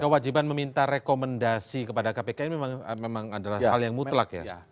kewajiban meminta rekomendasi kepada kpk ini memang adalah hal yang mutlak ya